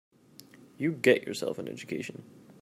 You get yourself an education.